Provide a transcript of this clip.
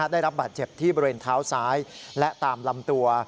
ได้รับบาดเจ็บที่บริเวณเท้าซ้ายและตามลำตัว